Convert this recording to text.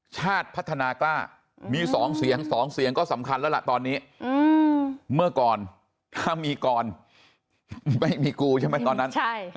ชาติพัฒนากล้ามี๒เสียง๒เสียงก็สำคัญแล้วล่ะตอนนี้เมื่อก่อนถ้ามีกรไม่มีกูใช่ไหมตอนนั้น